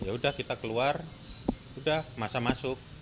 yaudah kita keluar udah masa masuk